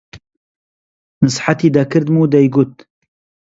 نسحەتی دەکردم دەیگوت: